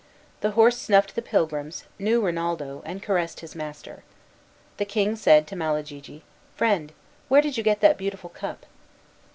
The horse snuffed at the pilgrims, knew Rinaldo, and caressed his master. The king said to Malagigi, "Friend, where did you get that beautiful cup?"